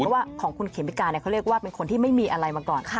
เพราะว่าของคุณเขมิกาเขาเรียกว่าเป็นคนที่ไม่มีอะไรมาก่อน